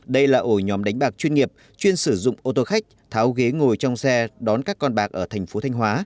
đây là ổ nhóm đánh bạc chuyên nghiệp chuyên sử dụng ô tô khách tháo ghế ngồi trong xe đón các con bạc ở thành phố thanh hóa